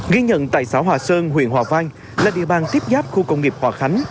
ghi nhận tại xã hòa sơn huyện hòa vang là địa bàn tiếp giáp khu công nghiệp hòa khánh